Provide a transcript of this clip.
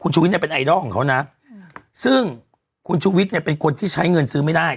ชุวิตเนี่ยเป็นไอดอลของเขานะซึ่งคุณชูวิทย์เนี่ยเป็นคนที่ใช้เงินซื้อไม่ได้